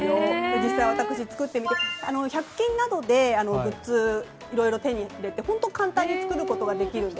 実際、私も作ってみて１００均などでグッズをいろいろ手に入れて本当に簡単に作ることができるので。